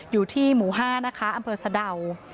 อยู่ที่หมู่๕นะคะอำเภอสะดาว